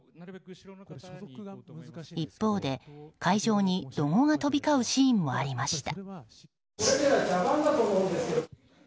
一方で会場に怒号が飛び交うシーンもありました。